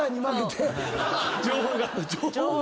情報が。